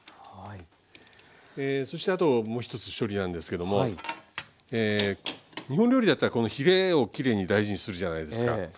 そしてあともう一つ処理なんですけども日本料理だったらこのヒレをきれいに大事にするじゃないですか。